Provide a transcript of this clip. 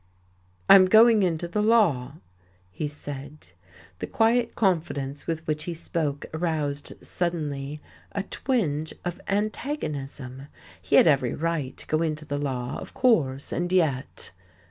"I'm going into the law," he said. The quiet confidence with which he spoke aroused, suddenly, a twinge of antagonism. He had every right to go into the law, of course, and yet!...